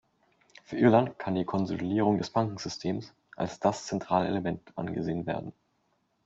Für Irland kann die Konsolidierung des Bankensystems als das zentrale Element angesehen werden.